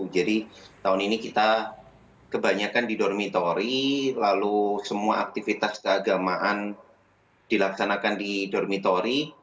jadi tahun ini kita kebanyakan di dormitori lalu semua aktivitas keagamaan dilaksanakan di dormitori